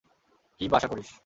কী-ই বা আশা করিস?